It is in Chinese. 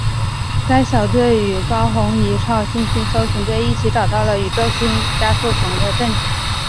该小队与高红移超新星搜寻队一起找到了宇宙加速膨胀的证据。